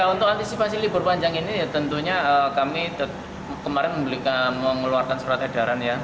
untuk antisipasi libur panjang ini ya tentunya kami kemarin mengeluarkan surat edaran ya